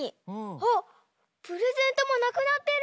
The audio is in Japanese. あっプレゼントもなくなってる！